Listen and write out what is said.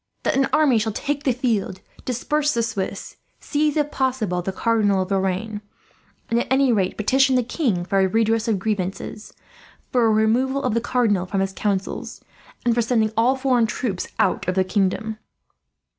That an army shall take the field, disperse the Swiss, seize if possible the Cardinal of Lorraine; and at any rate petition the king for a redress of grievances, for a removal of the Cardinal from his councils, and for sending all foreign troops out of the kingdom.